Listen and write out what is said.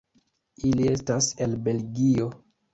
Ili estas el Belgio.